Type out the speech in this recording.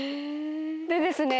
でですね